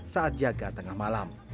saat jaga tengah malam